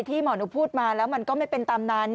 หมอหนูพูดมาแล้วมันก็ไม่เป็นตามนั้น